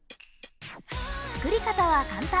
作り方は簡単。